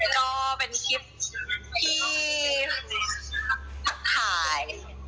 ก็เป็นคลิปที่ถ่าย